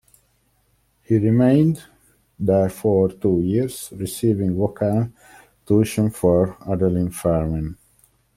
He remained there for two years, receiving vocal tuition from Adelin Fermin.